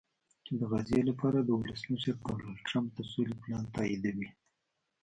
چې د غزې لپاره د ولسمشر ډونالډټرمپ د سولې پلان تاییدوي